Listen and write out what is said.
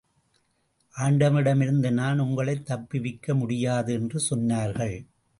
ஆண்டவனிடமிருந்து நான் உங்களைத் தப்புவிக்க முடியாது என்று சொன்னார்கள்.